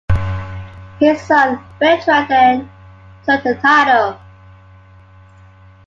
His son, Bertrand, then took the title.